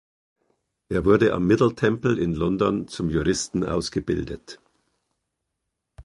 Er wurde am Middle Temple in London zum Juristen ausgebildet.